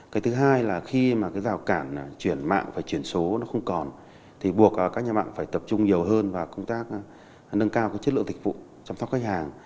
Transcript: cái thứ hai là khi mà cái rào cản chuyển mạng phải chuyển số nó không còn thì buộc các nhà mạng phải tập trung nhiều hơn vào công tác nâng cao cái chất lượng dịch vụ chăm sóc khách hàng